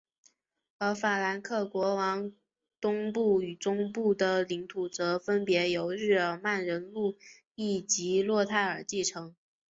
而法兰克王国东部和中部的领土则分别由日耳曼人路易及洛泰尔继承。